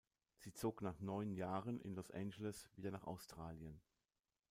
Sie zog nach neun Jahren in Los Angeles wieder nach Australien.